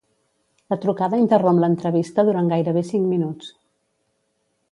La trucada interromp l'entrevista durant gairebé cinc minuts.